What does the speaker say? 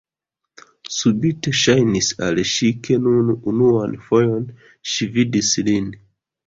Subite ŝajnis al ŝi, ke nun unuan fojon ŝi vidis lin.